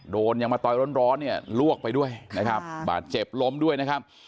ยังมาต่อยร้อนเนี่ยลวกไปด้วยนะครับบาดเจ็บล้มด้วยนะครับ